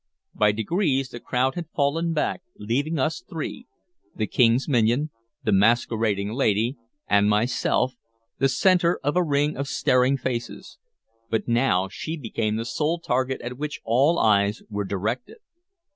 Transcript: By degrees the crowd had fallen back, leaving us three the King's minion, the masquerading lady, and myself the centre of a ring of staring faces; but now she became the sole target at which all eyes were directed.